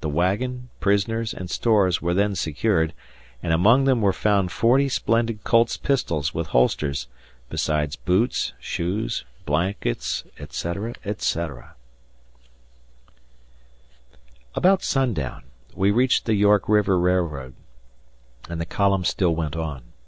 The wagon, prisoners, and stores were then secured and among them were found forty splendid Colt's pistols with holsters, besides boots, shoes, blankets, etc., etc. About sundown we reached the York River Railroad, and the column still went on.